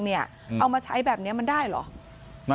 เอามาใช้แบบนี้มันได้เหรอ